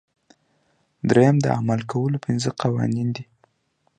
دریم د عمل کولو پنځه قوانین دي.